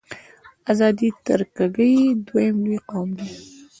آذری ترکګي دویم لوی قوم دی.